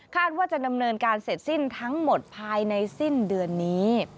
ว่าจะดำเนินการเสร็จสิ้นทั้งหมดภายในสิ้นเดือนนี้